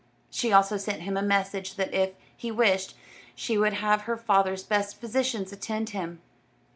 She also sent him a message that if he wished, she would have her father's best physicians attend him.